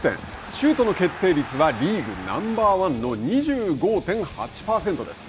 シュートの決定率はリーグナンバー１の２５．８％です。